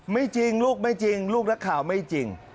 จริงลูกไม่จริงลูกนักข่าวไม่จริง